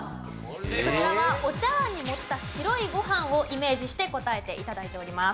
こちらはお茶碗に盛った白いご飯をイメージして答えて頂いております。